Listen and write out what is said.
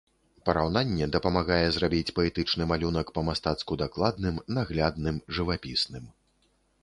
Параўнанне дапамагае зрабіць паэтычны малюнак па-мастацку дакладным, наглядным, жывапісным.